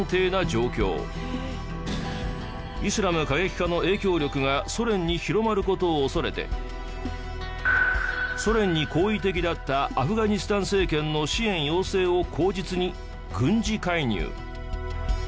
イスラム過激派の影響力がソ連に広まる事を恐れてソ連に好意的だったアフガニスタン政権の支援要請を口実に軍事介入。